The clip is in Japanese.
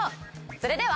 それでは。